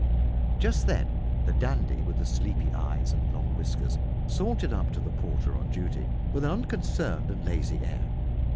Just then the dandy with the sleepy eyes and long whiskers sauntered up to the porter on duty, with an unconcerned and lazy air.